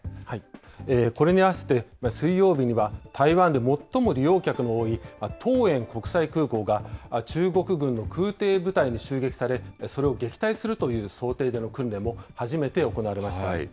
これに合わせて、水曜日には、台湾で最も利用客の多い桃園国際空港が、中国軍の空てい部隊に襲撃され、それを撃退するという想定での訓練も初めて行われました。